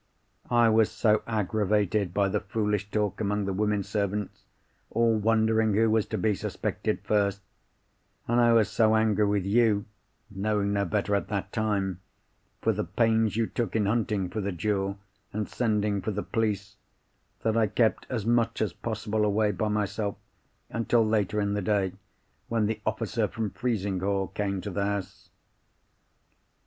"I was so aggravated by the foolish talk among the women servants, all wondering who was to be suspected first; and I was so angry with you (knowing no better at that time) for the pains you took in hunting for the jewel, and sending for the police, that I kept as much as possible away by myself, until later in the day, when the officer from Frizinghall came to the house.